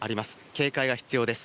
警戒が必要です。